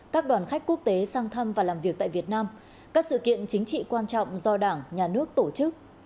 các đoàn khách quốc tế sang thăm và làm việc tại việt nam các sự kiện chính trị quan trọng do đảng nhà nước tổ chức